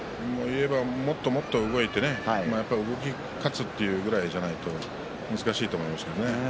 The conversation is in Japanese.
もっともっと動いて動き勝つというくらいじゃないと難しいと思いますね。